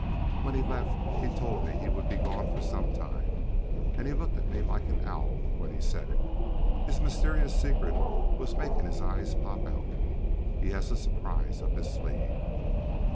When he left he told me he would be gone for some time, and he looked at me like an owl when he said it: his mysterious secret was making his eyes pop out. He has a surprise up his sleeve."